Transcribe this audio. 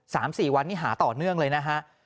สามสี่วันนี้หาต่อเนื่องเลยนะฮะ